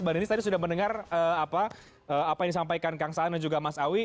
mbak deni tadi sudah mendengar apa yang disampaikan kang saan dan juga mas awi